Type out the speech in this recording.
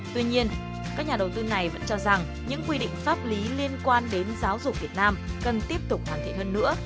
tuy nhiên các nhà đầu tư này vẫn cho rằng những quy định pháp lý liên quan đến giáo dục việt nam cần tiếp tục hoàn thiện hơn nữa